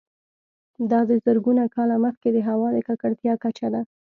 دا د زرګونه کاله مخکې د هوا د ککړتیا کچه ده